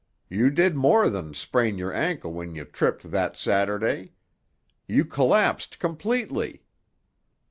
You did more than sprain your ankle when ye tripped that Saturday. You collapsed completely.